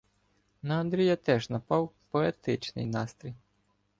На Андрія теж напав "поетичний" настрій.